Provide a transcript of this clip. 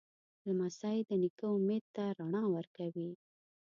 لمسی د نیکه امید ته رڼا ورکوي.